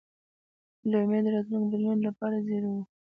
اعلامیه د راتلونکو بدلونونو لپاره زېری و.